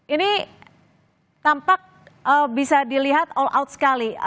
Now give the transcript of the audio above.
ini tampak bisa dilihat all out sekali